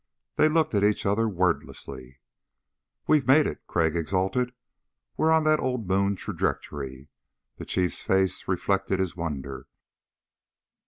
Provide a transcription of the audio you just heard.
They looked at each other wordlessly. "We've made it," Crag exulted. "We're on that old moon trajectory." The Chiefs face reflected his wonder.